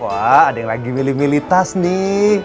wah ada yang lagi milih milih tas nih